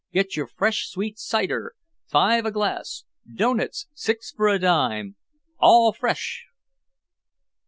Get your fresh sweet cider! Five a glass! Doughnuts six for a dime! All fresh!"